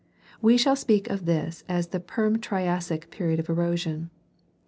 We shall speak of this as the Perm Triassic period of erosion.